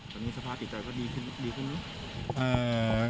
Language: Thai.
สภาษณ์ติดต่อก็ดีขึ้นหรือ